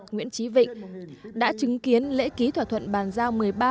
nguyễn trí vịnh đã chứng kiến lễ ký thỏa thuận bàn giao một mươi ba